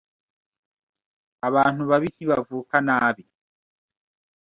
Abantu babi ntibavuka nabi.